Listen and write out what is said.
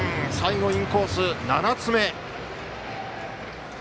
最後インコース、７つ目。